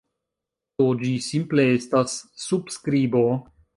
Do, ĝi simple estas subskribo.